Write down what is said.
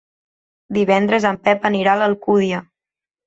Divendres en Pep anirà a l'Alcúdia.